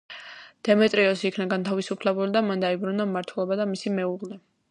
დემეტრიოსი იქნა განთავისუფლებული და მან დაიბრუნა მართველობა და მისი მეუღლე.